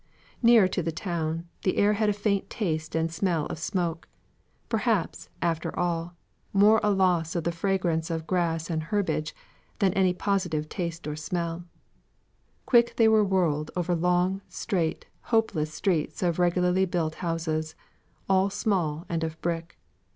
Nearer to the town, the air had a faint taste and smell of smoke; perhaps, after all, more a loss of the fragrance of grass and herbage than any positive taste or smell. Quick they were whirled over long, straight, hopeless streets of regularly built houses, all small and of brick.